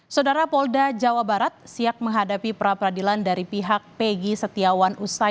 saudara polda jawa barat siap menghadapi pra peradilan dari pihak pegi setiawan usai